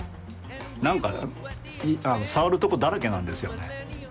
何か触るとこだらけなんですよね。